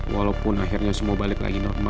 walaupun akhirnya semua balik lagi sama naomi